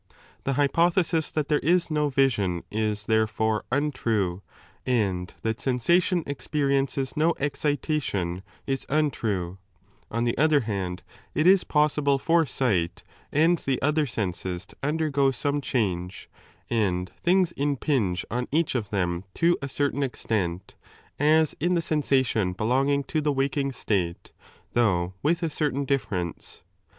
Tlie hypothesis thai there is no vision 8 is, therefore, untrue, and that sensation experiences do , «xcitatioa is untrue; on the other hand, it is possible for sight and the other senses to undergo some change and things impinge on each of them to a certain extent, as in the sensation belonging to the waking state, though with a certain difference.